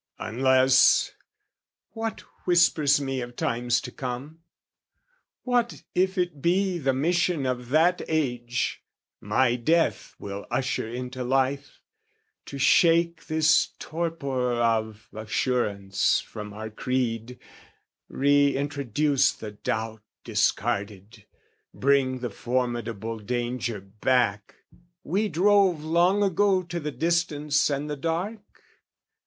Unless...what whispers me of times to come? What if it be the mission of that age, My death will usher into life, to shake This torpor of assurance from our creed, Re introduce the doubt discarded, bring The formidable danger back, we drove Long ago to the distance and the dark?